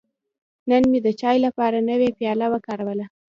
نن مې د چای لپاره نوی پیاله وکاروله.